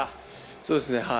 そうですね。